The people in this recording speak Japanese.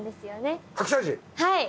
はい。